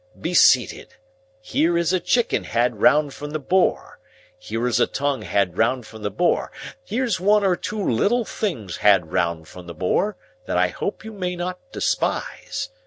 Be seated. Here is a chicken had round from the Boar, here is a tongue had round from the Boar, here's one or two little things had round from the Boar, that I hope you may not despise.